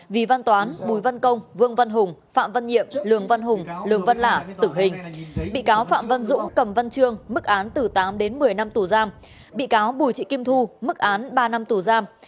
vì văn toán bùi văn công vương văn hùng phạm văn nhiệm lường văn hùng lường văn lả tử hình bị cáo phạm văn dũng cầm văn trương mức án từ tám đến một mươi năm tù giam bị cáo bùi thị kim thu mức án ba năm tù giam